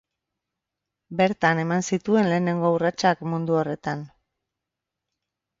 Bertan eman zituen lehenengo urratsak mundu horretan.